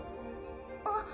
あっ！